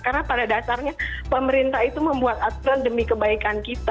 karena pada dasarnya pemerintah itu membuat aturan demi kebaikan kita